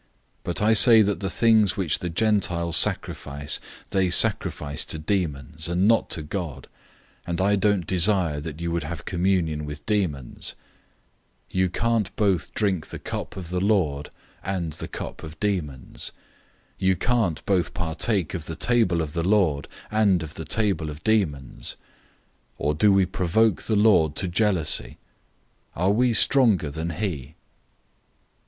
010:020 But I say that the things which the Gentiles sacrifice, they sacrifice to demons, and not to God, and I don't desire that you would have communion with demons. 010:021 You can't both drink the cup of the Lord and the cup of demons. You can't both partake of the table of the Lord, and of the table of demons. 010:022 Or do we provoke the Lord to jealousy? Are we stronger than he?